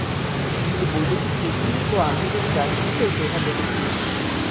তিনি বৈদেশিক নীতি ও আন্তর্জাতিক রাজনীতিতেও প্রভাব রেখেছিলেন।